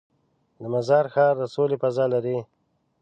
د مزار ښار د سولې فضا لري.